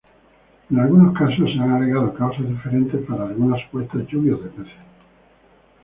En algunos casos, se han alegado causas diferentes para algunas supuestas lluvias de peces.